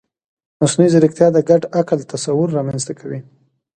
مصنوعي ځیرکتیا د ګډ عقل تصور رامنځته کوي.